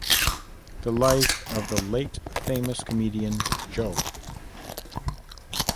The Life of the Late Famous Comedian, Jo.